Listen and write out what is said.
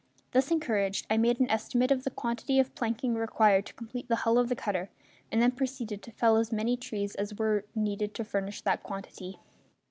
Thus encouraged, I made an estimate of the quantity of planking required to complete the hull of the cutter, and then proceeded to fell as many trees as were needed to furnish that quantity.